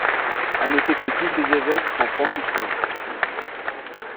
À noter que tous ses évêques sont franciscains.